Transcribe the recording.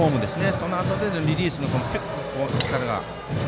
そのあとでのリリースの力が。